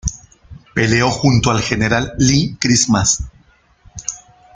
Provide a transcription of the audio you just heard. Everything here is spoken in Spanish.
Peleó junto al General Lee Christmas.